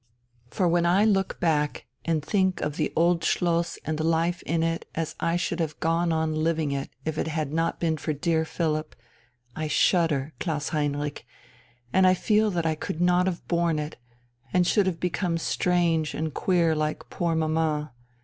For when I look back and think of the Old Schloss and life in it as I should have gone on living if it had not been for dear Philipp, I shudder, Klaus Heinrich, and I feel that I could not have borne it and should have become strange and queer like poor mamma.